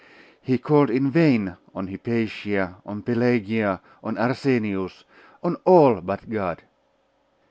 He called in vain on Hypatia, on Pelagia, on Arsenius on all but God.